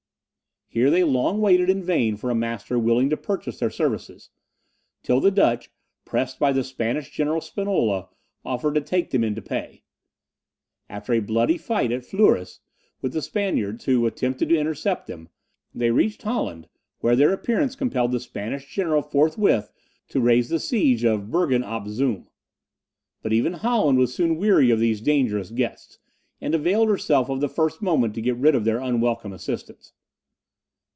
Here they long waited in vain for a master willing to purchase their services; till the Dutch, pressed by the Spanish General Spinola, offered to take them into pay. After a bloody fight at Fleurus with the Spaniards, who attempted to intercept them, they reached Holland, where their appearance compelled the Spanish general forthwith to raise the siege of Bergen op Zoom. But even Holland was soon weary of these dangerous guests, and availed herself of the first moment to get rid of their unwelcome assistance.